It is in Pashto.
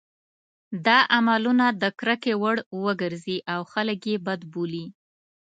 دا عملونه د کرکې وړ وګرځي او خلک یې بد بولي.